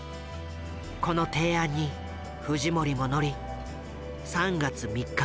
この提案にフジモリも乗り３月３日